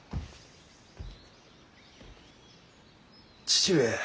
父上。